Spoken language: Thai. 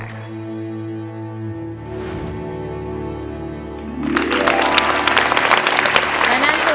เพื่อที่จะได้อยู่ดูแลคนในครอบครัวให้ได้